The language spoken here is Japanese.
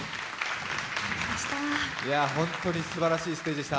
本当にすばらしいステージでした。